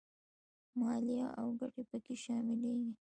مالیه او ګټې په کې شاملېږي